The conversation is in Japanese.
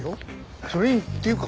それにっていうか